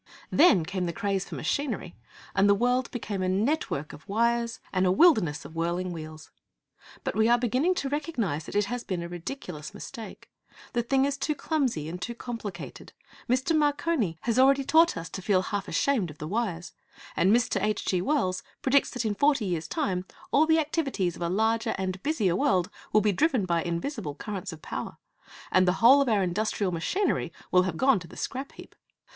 Then came the craze for machinery, and the world became a network of wires and a wilderness of whirling wheels. But we are beginning to recognize that it has been a ridiculous mistake. The thing is too clumsy and too complicated. Mr. Marconi has already taught us to feel half ashamed of the wires. And Mr. H. G. Wells predicts that in forty years' time all the activities of a larger and busier world will be driven by invisible currents of power, and the whole of our industrial machinery will have gone to the scrap heap.